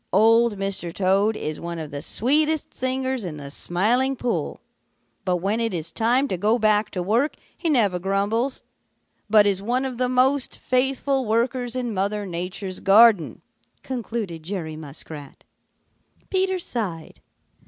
Old Mr. Toad is one of the sweetest singers in the Smiling Pool, but when it is time to go back to work he never grumbles, but is one of the most faithful workers in Mother Nature's garden," concluded Jerry Muskrat. Peter sighed.